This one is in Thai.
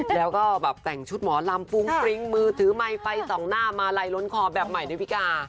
แล้วก็แบบแต่งชุดหมอลำฟุ้งฟริ้งมือถือไมค์ไฟส่องหน้ามาลัยล้นคอแบบใหม่ดาวิกา